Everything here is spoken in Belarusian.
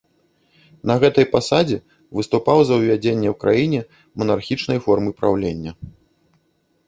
На гэтай пасадзе выступаў за ўвядзенне ў краіне манархічнай формы праўлення.